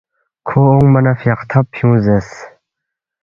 کھو اونگما نہ فیاختب فیُونگ زیرس